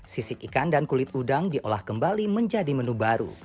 sisik ikan dan kulit udang diolah kembali menjadi menu baru